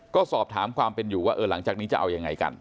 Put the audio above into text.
ก็สอบถามความเป็นอยู่ว่าเออหลังจากนี้จะเอายังไงกัน